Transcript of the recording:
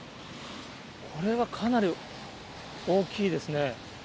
これはかなり大きいですね。